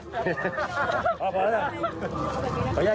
หล่ะหล่ะหล่อยว้ายค่ะ